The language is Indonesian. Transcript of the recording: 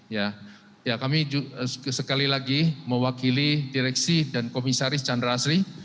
ya ya kami sekali lagi mewakili direksi dan komisaris chandra asri